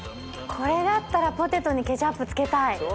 これだったらポテトにケチャップ付けたい！